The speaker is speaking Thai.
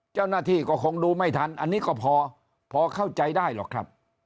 เจ้าหน้าที่ก็คงดูไม่ทันอันนี้ก็พอเข้าใจได้หรอกครับ